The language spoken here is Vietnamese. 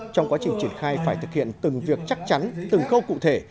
trong quá trình triển khai phải thực hiện từng việc chắc chắn từng khâu cụ thể